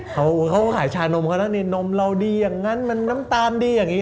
เขาขายชานมเขาแล้วนี่นมเราดีอย่างนั้นมันน้ำตาลดีอย่างนี้